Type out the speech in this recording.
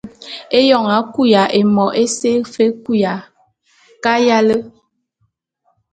Eyoñ a kuya, émo ése fe é kuya kayale.